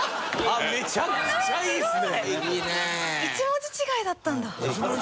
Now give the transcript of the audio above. １文字違いだったんだ。